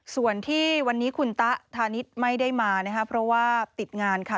ส่วนที่วันนี้คุณตะธานิษฐ์ไม่ได้มานะคะเพราะว่าติดงานค่ะ